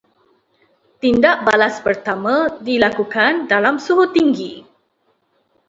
Tindak balas pertama dilakukan dalam suhu tinggi